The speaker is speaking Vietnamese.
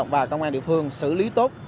và công an địa phương xử lý tốt